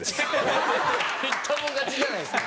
言ったもん勝ちじゃないですか。